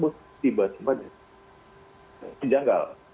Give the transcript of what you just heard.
nah tetap tiba tiba dijanggal